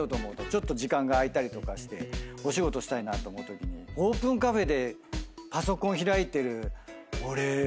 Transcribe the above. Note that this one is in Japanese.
ちょっと時間が空いたりとかしてお仕事したいなと思うときにオープンカフェでパソコン開いてる。